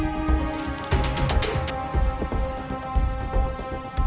tidak ada yang bisa dihukum